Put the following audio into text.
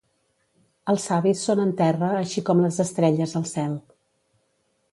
Els savis són en terra així com les estrelles al cel.